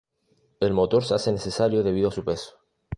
El motor se hace necesario debido a su peso.